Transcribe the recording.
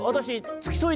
「つきそい。